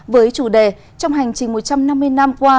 với chủ đề trong hành trình một trăm năm mươi năm qua